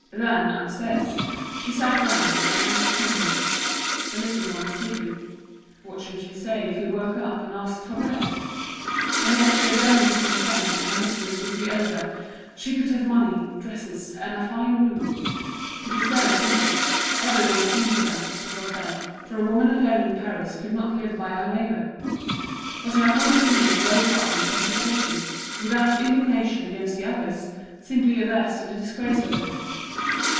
Then, upstairs, she sat down, her hands trembling. The little one was sleeping. What should she say if he woke up and asked for bread? And yet she had only to consent and her misery would be over, she could have money, dresses, and a fine room. It was very simple, every one came to that, it was said; for a woman alone in Paris could not live by her labour. But her whole being rose up in protestation, without indignation against the others, simply averse to the disgrace of the thing.